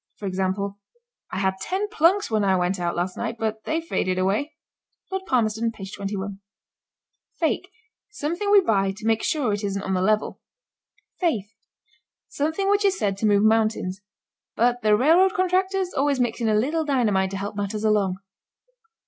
For example: "I had ten plunks when I went out last night, but they faded away." (Lord Palmerston, page 21.) FAKE. Something we buy to make sure it isn't on the level. FAITH. Something which is said to move mountains, but the railroad contractors always mix in a little dynamite to help matters along.